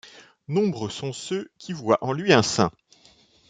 Nombreux sont ceux qui voient en lui un saint.